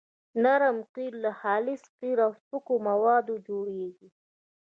نرم قیر له خالص قیر او سپکو موادو جوړیږي